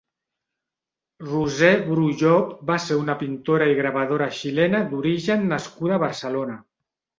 Roser Bru Llop va ser una pintora i gravadora xilena d'origen nascuda a Barcelona.